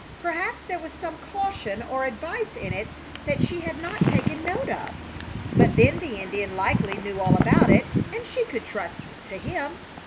Perhaps there was some caution or advice in it that she had not taken note of. But then the Indian likely knew all about it, and she could trust to him.